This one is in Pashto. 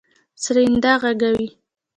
سرېنده غږوي.